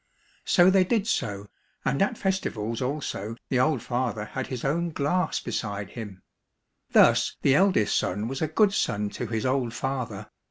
So they did so, and at festivals also the old father had his own glass beside him. Thus the eldest son was a good son to his old father.